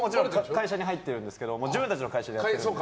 会社に入ってるんですけど自分たちの会社でやってるので。